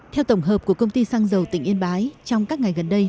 theo tổng hợp của công ty xăng dầu tỉnh yên bái trong các ngày gần đây